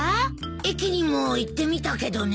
駅にも行ってみたけどね。